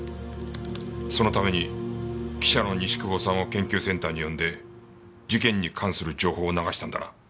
そのために記者の西窪さんを研究センターに呼んで事件に関する情報を流したんだな。